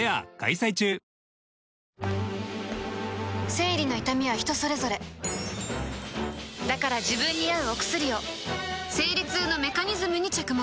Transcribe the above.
生理の痛みは人それぞれだから自分に合うお薬を生理痛のメカニズムに着目